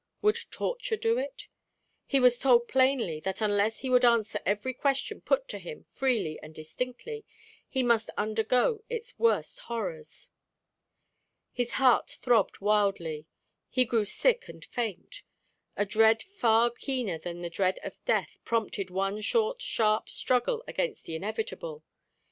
Would torture do it? He was told plainly, that unless he would answer every question put to him freely and distinctly, he must undergo its worst horrors. His heart throbbed wildly, then grew sick and faint. A dread far keener than the dread of death prompted one short sharp struggle against the inevitable.